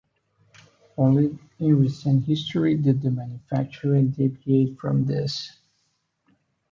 Only in recent history did the manufacturer deviate from this.